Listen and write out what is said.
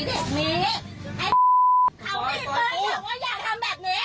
เขามีปืนอยากว่าอยากทำแบบนี้